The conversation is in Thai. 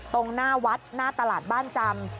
ตรงหน้าวัดหน้าตลาดบ้านจำ